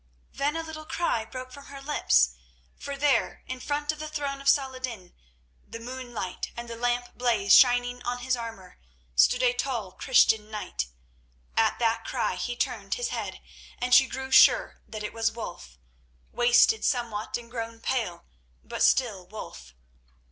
Then a little cry broke from her lips, for there, in front of the throne of Saladin, the moonlight and the lamp blaze shining on his armour, stood a tall Christian knight. At that cry he turned his head, and she grew sure that it was Wulf, wasted somewhat and grown pale, but still Wulf.